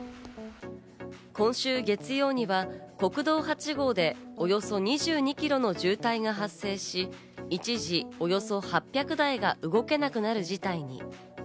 今週月曜には国道８号でおよそ２２キロの渋滞が発生し、一時、およそ８００台が動けなくなる事態に。